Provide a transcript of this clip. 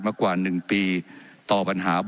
ว่าการกระทรวงบาทไทยนะครับ